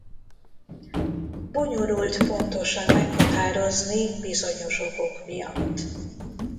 Bonyolult pontosan meghatározni bizonyos okok miatt.